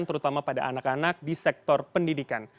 terutama pada anak anak di sektor pendidikan